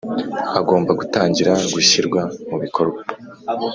agomba gutangira gushyirwa mu bikorwa